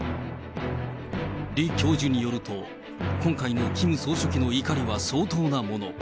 李教授によると、今回のキム総書記の怒りは相当なもの。